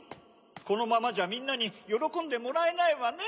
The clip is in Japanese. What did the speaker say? このままじゃみんなによろこんでもらえないわね。